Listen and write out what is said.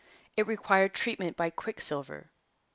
It required treatment by quicksilver.